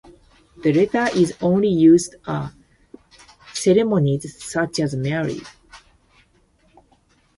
The latter is only used at ceremonies such as marriage.